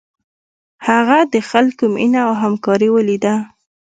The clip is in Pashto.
هغه د خلکو مینه او همکاري ولیده.